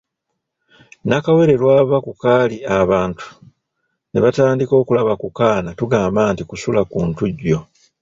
Nakawere lw’ava ku kaali abantu ne batandika okulaba ku kaana tugamba nti Kusula ku Ntujjo.